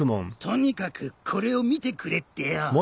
とにかくこれを見てくれってよ。